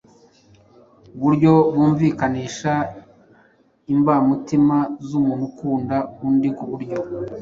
buryo wumvikanisha imbamutima z’umuntu ukunda undi ku buryo